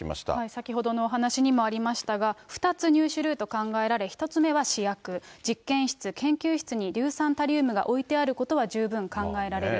先ほどのお話にもありましたが、２つ入手ルート考えられ、１つ目は試薬、実験室、研究室に硫酸タリウムが置いてあることは十分考えられる。